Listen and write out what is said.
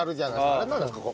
あれなんですか？